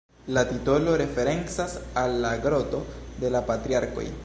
La titolo referencas al la Groto de la Patriarkoj.